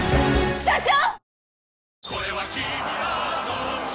社長！